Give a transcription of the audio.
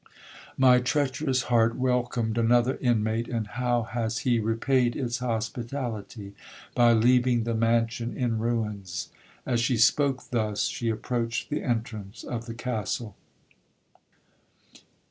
My treacherous heart welcomed another inmate, and how has he repaid its hospitality?—By leaving the mansion in ruins!' As she spoke thus, she approached the entrance of the Castle.